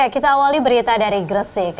kita awali berita dari gresik